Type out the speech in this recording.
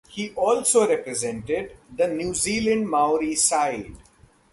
He has also represented the New Zealand Maori side.